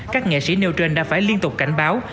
các nghệ sĩ nêu trên đã phải liên tục cảnh báo